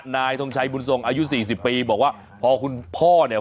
นายทงชัยบุญทรงอายุสี่สิบปีบอกว่าพอคุณพ่อเนี่ย